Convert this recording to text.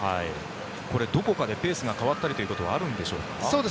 これ、どこかでペースが変わったりということはあるんでしょうか？